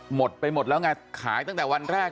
หมดไปหมดแล้วไงขายตั้งแต่วันแรก